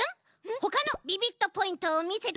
ほかのビビットポイントをみせて！